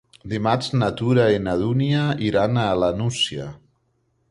Dimarts na Tura i na Dúnia iran a la Nucia.